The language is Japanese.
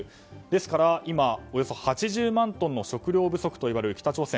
ですから今、およそ８０万トンの食糧不足といわれる北朝鮮。